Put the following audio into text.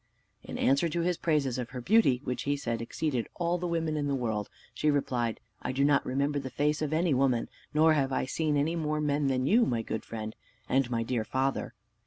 In answer to his praises of her beauty, which he said exceeded all the women in the world, she replied, "I do not remember the face of any woman, nor have I seen any more men than you, my good friend, and my dear father.